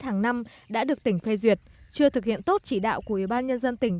hàng năm đã được tỉnh phê duyệt chưa thực hiện tốt chỉ đạo của ủy ban nhân dân tỉnh